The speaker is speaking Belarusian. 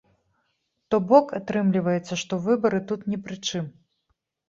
То бок, атрымліваецца, што выбары тут ні пры чым.